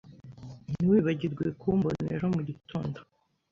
Ntiwibagirwe kumbona ejo mugitondo.